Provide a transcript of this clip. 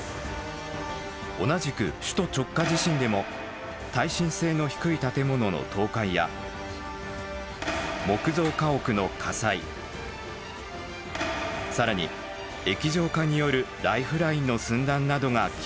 同じく首都直下地震でも「耐震性の低い建物の倒壊」や「木造家屋の火災」更に「液状化によるライフラインの寸断」などが危惧されています。